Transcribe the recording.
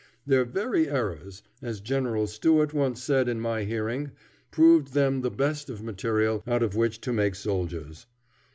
Their very errors, as General Stuart once said in my hearing, proved them the best of material out of which to make soldiers.